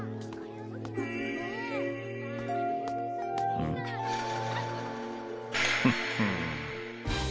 うん？フッフ。